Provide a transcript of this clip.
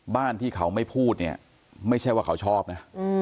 บ้านที่เขาไม่พูดเนี่ยไม่ใช่ว่าเขาชอบนะ